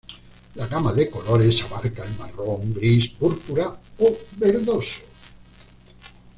La gama de colores abarca el marrón, gris, púrpura o verdoso.